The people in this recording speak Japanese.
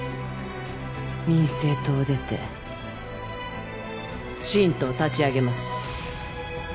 民政党を出て新党を立ち上げます